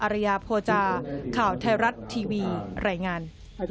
ริยาโภจาข่าวไทยรัฐทีวีรายงาน